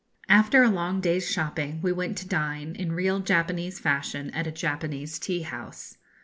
After a long day's shopping, we went to dine, in real Japanese fashion, at a Japanese tea house.